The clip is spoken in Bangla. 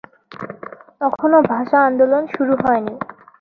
তখনো ভাষা আন্দোলন শুরু হয়নি।